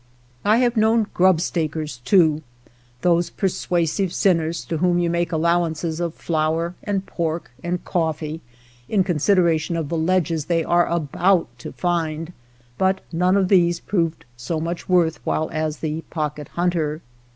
I have known " grub stakers " too, those persuasive sin ners to whom you make allowances of flour and pork and coffee in consideration of the ledges they are about to find ; but none of these proved so much worth while as the .69 THE POCKET HUNTER /Pocket Hunter.